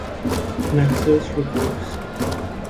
Naxos Records.